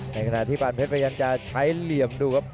ในขณะที่ปานเพชรพยายามจะใช้เหลี่ยมดูครับ